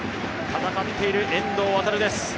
戦っている遠藤航です。